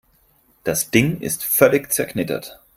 Das Ding ist völlig zerknittert.